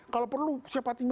kalau perlu siapa tinggal